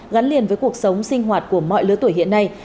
gắn liền với cuộc sống sinh hoạt của mọi lứa tuổi hiện nay